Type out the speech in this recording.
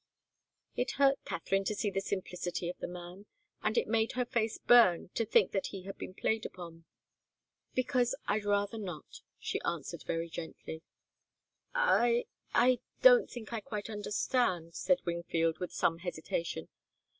It hurt Katharine to see the simplicity of the man, and it made her face burn to think that he had been played upon. "Because I'd rather not," she answered, very gently. "I I don't think I quite understand," said Wingfield, with some hesitation.